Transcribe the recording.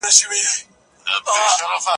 ډاکټر زیار وویل چي مخینه مهمه ده.